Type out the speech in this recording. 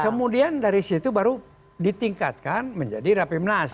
kemudian dari situ baru ditingkatkan menjadi rapimnas